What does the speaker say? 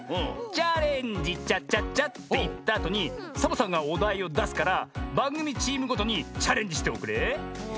「チャレンジチャチャチャ！」っていったあとにサボさんがおだいをだすからばんぐみチームごとにチャレンジしておくれ。